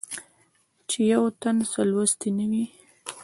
چې يو تن څۀ لوستي نۀ وي